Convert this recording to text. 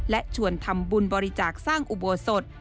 และชวนทำบุญบริจาคสร้างอุโบสถ